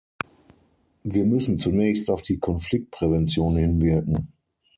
Wir müssen zunächst auf die Konfliktprävention hinwirken.